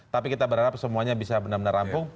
tapi kita berharap semuanya bisa benar benar rampung